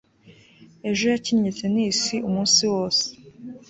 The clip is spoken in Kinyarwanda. ejo yakinnye tennis umunsi wose